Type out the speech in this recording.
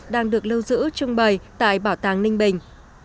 đang được lưu giữ trưng bày tại bảo tàng ninh bình